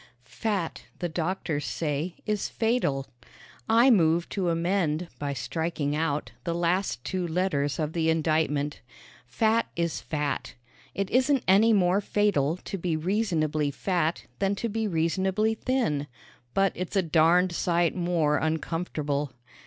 Fat, the doctors say, is fatal. I move to amend by striking out the last two letters of the indictment. Fat is fat. It isn't any more fatal to be reasonably fat than to be reasonably thin, but it's a darned sight more uncomfortable.